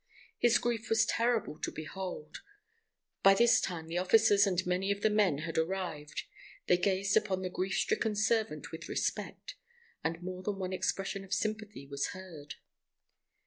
His grief was terrible to behold. By this time the officers and many of the men had arrived. They gazed upon the grief stricken servant with respect, and more than one expression of sympathy was heard.